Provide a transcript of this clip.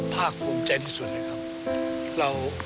ภาคภูมิใจที่สุดเลยครับ